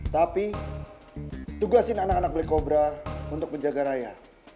tapi tugasin anak anak black cobra untuk menjaga raya